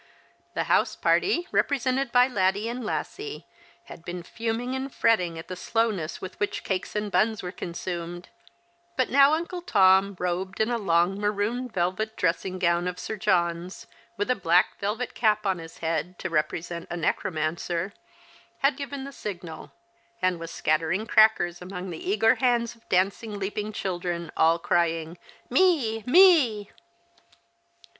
The house party, represented by Laddie and Lassie, had been fuming and fretting at the slowness with which cakes and buns were consumed ; but now Uncle Tom, robed in a long maroon velyet dressing gown of Sir John's, with a black velvet cap on his head, to represent a necromancer, had given the signal, and was scattering crackers among the eager hands of dancing, leaping children, all crying, " Me, me